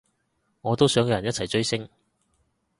我都想有人一齊追星